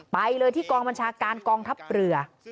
ไปเลยที่กองบัญชาการกองทัพเรือ